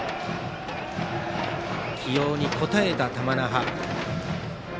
起用に応えた玉那覇。